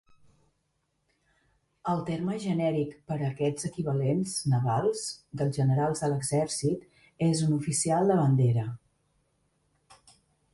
El terme genèric per a aquests equivalents navals dels generals de l'exèrcit és un oficial de bandera.